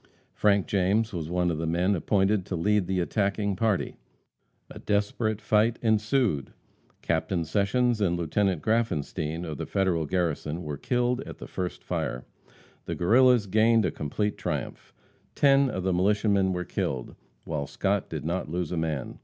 Frank James was one of the men appointed to lead the attacking party. A desperate fight ensued. Captain Sessions and Lieut. Graffenstien, of the Federal garrison, were killed at the first fire. The Guerrillas gained a complete triumph. Ten of the militiamen were killed, while Scott did not lose a man.